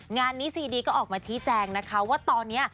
งานนี้ซีดีก็ออกมาชี้แจงนะคะว่าตอนนี้